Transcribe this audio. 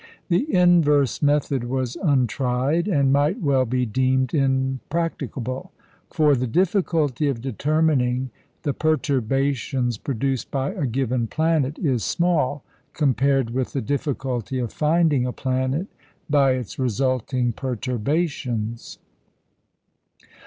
The inverse method was untried, and might well be deemed impracticable. For the difficulty of determining the perturbations produced by a given planet is small compared with the difficulty of finding a planet by its resulting perturbations.